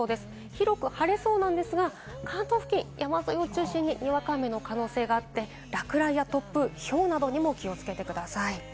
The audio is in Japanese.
広く晴れそうなんですが、関東付近、山沿いを中心ににわか雨の可能性があって、落雷や突風、ひょうなどにも気をつけてください。